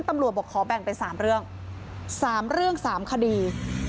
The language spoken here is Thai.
ตำรวจบอกขอแบ่งเป็น๓เรื่อง๓เรื่อง๓คดี